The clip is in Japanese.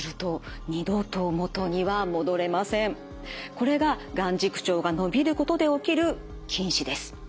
これが眼軸長が伸びることで起きる近視です。